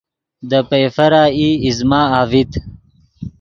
دے پئیفر ای ایزمہ اڤیت